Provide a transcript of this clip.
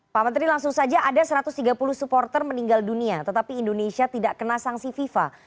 pak menteri langsung saja ada satu ratus tiga puluh supporter meninggal dunia tetapi indonesia tidak kena sanksi fifa